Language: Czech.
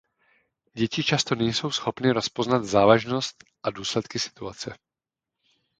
Děti často nejsou schopny rozpoznat závažnost a důsledky situace.